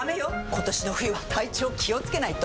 今年の冬は体調気をつけないと！